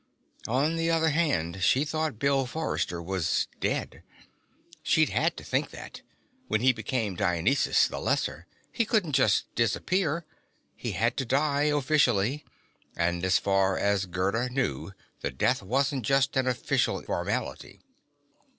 On the other hand, she thought Bill Forrester was dead. She'd had to think that; when he became Dionysus the Lesser, he couldn't just disappear. He had to die officially and, as far as Gerda knew, the death wasn't just an official formality.